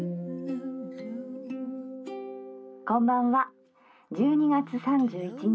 「こんばんは１２月３１日